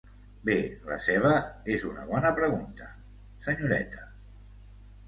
Bé, la seva és una bona pregunta, senyoreta.